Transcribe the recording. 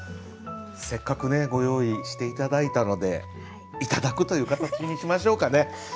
せっかくねご用意して頂いたのでいただくという形にしましょうかね。